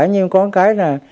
nhưng có cái là